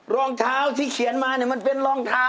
รองเท้าที่เขียนมามันเป็นรองเท้า